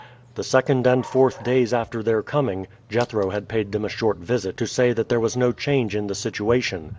The second and fourth days after their coming, Jethro had paid them a short visit to say that there was no change in the situation.